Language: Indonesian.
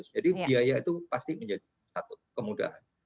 jadi biaya itu pasti menjadi satu kemudahan